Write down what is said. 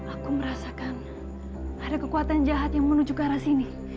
aku merasakan ada kekuatan jahat yang menuju ke arah sini